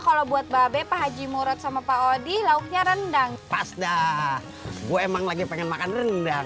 kalau buat babe pak haji murad sama pak odi lauknya rendang pasta gua emang lagi pengen makan rendang